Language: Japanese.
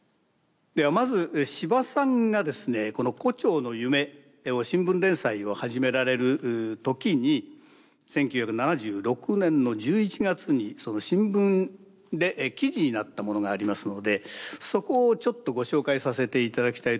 ではまず司馬さんがですねこの「胡蝶の夢」を新聞連載を始められる時に１９７６年の１１月に新聞で記事になったものがありますのでそこをちょっとご紹介させて頂きたいと思います。